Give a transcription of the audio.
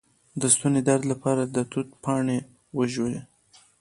د ستوني درد لپاره د توت پاڼې وژويئ